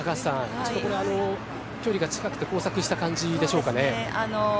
ちょっとこれ、距離が近くて交錯した感じでしょうかね。